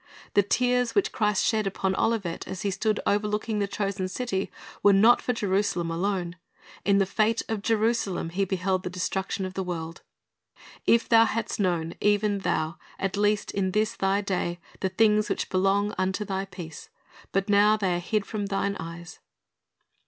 The tears which Christ shed upon Olivet as He stood overlooking the chosen city, were not for Jerusalem alone. In the fate of Jerusalem He beheld the destruction of the world. "If thou hadst known, even thou, at least in this thy day, the things which belong unto thy peace ! but now they are hid from thine eyes."'